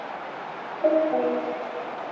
Kpukpwi.